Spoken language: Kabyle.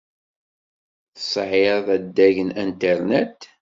Tesɛiḍ adeg n Internet?